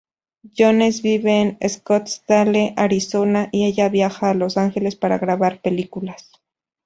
Jones vive en Scottsdale, Arizona, y ella viaja a Los Ángeles para grabar películas.